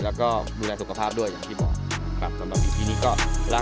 แล้วก็ดูแลสุขภาพด้วยอย่างที่บอกครับสำหรับอยู่ที่นี่ก็รัก